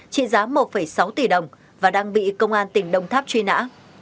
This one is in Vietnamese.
trị giá một sáu tỷ đồng và đang bị công an tỉnh đồng tháp truy nã